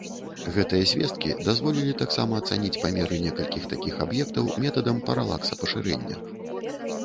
Гэтыя звесткі дазволілі таксама ацаніць памеры некалькіх такіх аб'ектаў метадам паралакса пашырэння.